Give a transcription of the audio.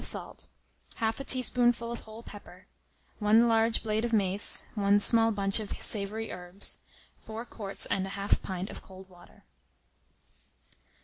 of salt, 1/2 a teaspoonful of whole pepper, 1 large blade of mace, 1 small bunch of savoury herbs, 4 quarts and 1/2 pint of cold water.